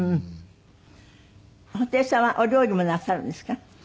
布袋さんはお料理もなさるんですか？